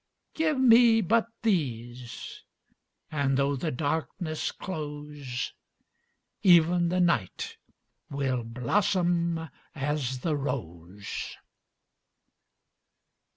Give me but these, and though the darkness close Even the night will blossom as the rose.